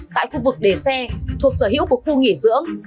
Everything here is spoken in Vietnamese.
tại khu vực đề xe thuộc sở hữu của khu nghỉ dưỡng